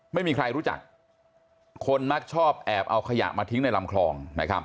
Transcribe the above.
ไม่มีใครรู้จักคนมักชอบแอบเอาขยะมาทิ้งในลำคลองนะครับ